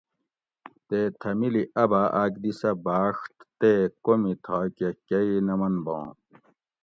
تے تھہ مِلی اۤ بھاۤ آۤک دی سہ بھاڛت تے کومی تھاکہ کئ نہ من بو